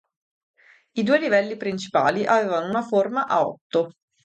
I due livelli principali avevano una forma a otto.